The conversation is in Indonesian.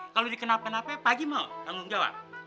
kalau dikenal pen pen pak haji mau tanggung jawab